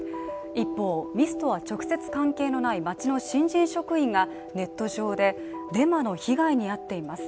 一方、ミスとは直接関係のない町の新人職員がネット上でデマの被害に遭っています。